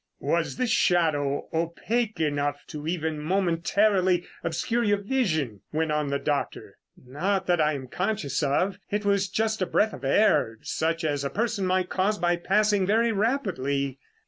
"Was this shadow opaque enough to even momentarily obscure your vision?" went on the doctor. "Not that I am conscious of. It was just a breath of air such as a person might cause by passing very rapidly."